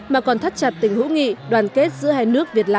mà còn thắt chặt tình hữu nghị đoàn kết giữa hai nước việt lào